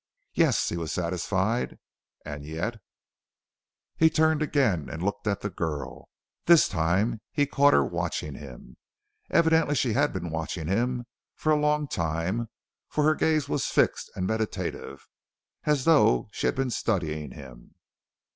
Yes, he was satisfied. And yet He turned again and looked at the girl. This time he caught her watching him. Evidently she had been watching him for a long time for her gaze was fixed and meditative, as though she had been studying him.